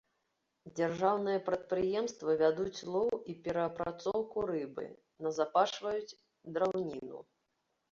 Дзяржаўныя прадпрыемствы вядуць лоў і перапрацоўку рыбы, назапашваюць драўніну.